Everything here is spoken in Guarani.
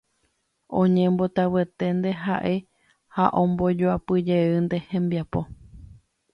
Oñembotavyeténte ha'e ha ombojoapyjeýnte hembiapo.